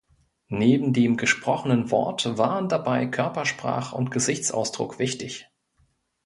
Neben dem gesprochenen Wort waren dabei Körpersprache und Gesichtsausdruck wichtig.